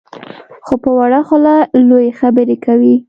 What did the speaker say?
خو په وړه خوله لویې خبرې کوي.